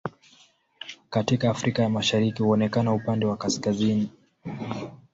Katika Afrika ya Mashariki huonekana upande wa kaskazini.